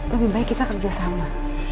lebih baik kita kerja sama